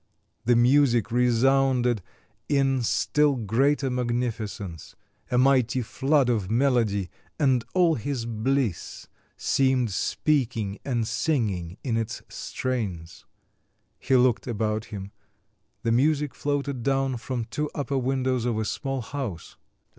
The music resounded in still greater magnificence; a mighty flood of melody and all his bliss seemed speaking and singing in its strains. He looked about him; the music floated down from two upper windows of a small house.